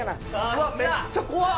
うわっめっちゃ怖っ！